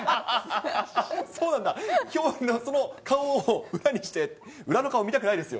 そうなんだ、顔を裏にして、裏の顔、見たくないですよ。